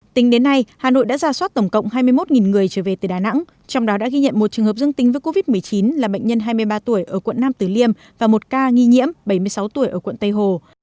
tính đến nay hà nội đã ra soát tổng cộng hai mươi một người trở về từ đà nẵng trong đó đã ghi nhận một trường hợp dương tính với covid một mươi chín là bệnh nhân hai mươi ba tuổi ở quận nam tử liêm và một ca nghi nhiễm bảy mươi sáu tuổi ở quận tây hồ